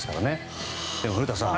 でも、古田さん。